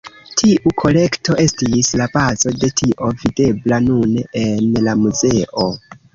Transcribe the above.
Tiu kolekto estis la bazo de tio videbla nune en la muzeo.